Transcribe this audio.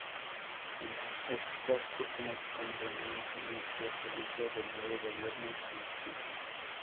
Estas últimas convenientemente al servicio del nuevo gobierno Meiji.